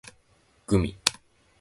gumi